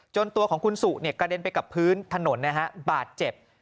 ตัวของคุณสุกระเด็นไปกับพื้นถนนนะฮะบาดเจ็บ